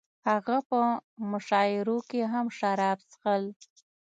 هغه په مشاعرو کې هم شراب څښل